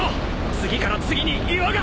次から次に岩が！